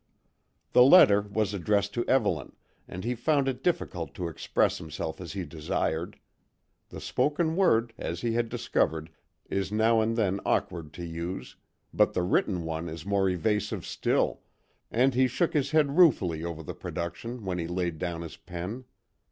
The letter was addressed to Evelyn, and he found it difficult to express himself as he desired. The spoken word, as he had discovered, is now and then awkward to use, but the written one is more evasive still, and he shook his head ruefully over the production when he laid down his pen.